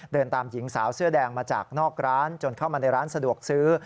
เดินตามหญิงสาวเสื้อแดงมาจากนอกร้านจนเข้ามาในร้านสะดวกซื้อ